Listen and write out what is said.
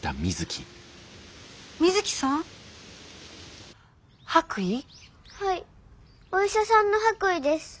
お医者さんの白衣です。